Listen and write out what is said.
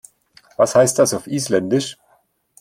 Was heißt das auf Isländisch?